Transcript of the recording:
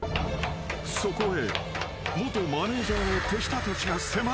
［そこへ］